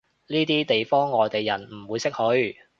呢啲地方外地人唔會識去